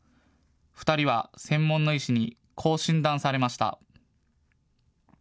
２人は専門の医師にこう診断されました。